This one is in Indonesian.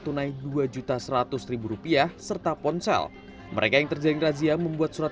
tunai dua juta seratus rupiah serta ponsel mereka yang terjaring razia membuat surat